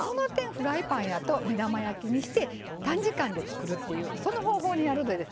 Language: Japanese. フライパンやと目玉焼きにして短時間で作るっていうその方法でやるとですね